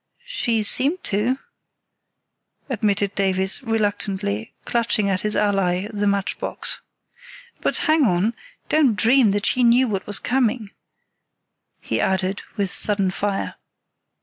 "She seemed to," admitted Davies, reluctantly, clutching at his ally, the match box. "But, hang it, don't dream that she knew what was coming," he added, with sudden fire.